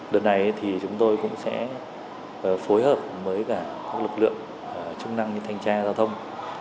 đợt này thì chúng tôi cũng sẽ phối hợp với cả các lực lượng chức năng như thanh tra giao thông